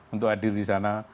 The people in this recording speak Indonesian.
untuk hadir disana